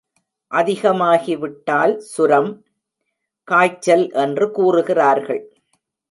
அதிகமாகி விட்டால் சுரம், காய்ச்சல் என்று கூறுகிறார்கள்.